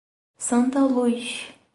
Santaluz